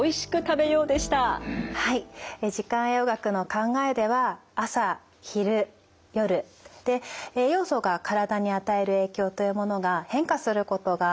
時間栄養学の考えでは朝昼夜で栄養素が体に与える影響というものが変化することが分かっております。